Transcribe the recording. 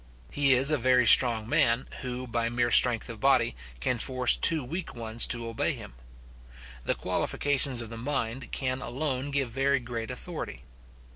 He is a very strong man, who, by mere strength of body, can force two weak ones to obey him. The qualifications of the mind can alone give very great authority.